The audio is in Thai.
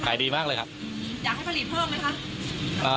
ขายดีมากเลยครับอยากให้ผลิตเพิ่มไหมคะเอ่อ